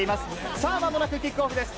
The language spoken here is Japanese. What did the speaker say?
さあ、まもなくキックオフです。